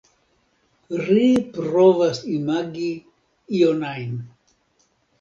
Ri provas imagi ion ajn.